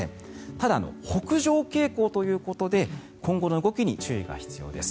ただ、北上傾向ということで今後の動きに注意が必要です。